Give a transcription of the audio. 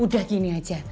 udah gini aja